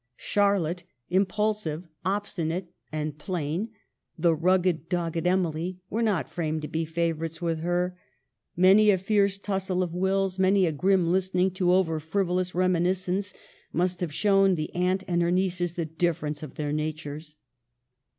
Charlotte, impulsive, obsti nate, and plain, the rugged, dogged Emily, were not framed to be favorites with her. Many a fierce tussle of wills, many a grim listening to over frivolous reminiscence, must have shown the aunt and her nieces the difference of their natures.